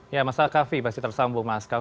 ya mas kavi masih tersambung mas